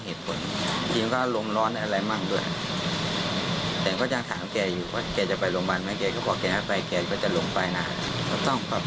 เหตุการณ์ครั้งนี้ถือว่าเป็นบทเรียนครับยังไงบ้างครับ